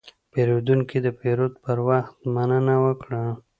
پیرودونکی د پیرود پر وخت مننه وکړه.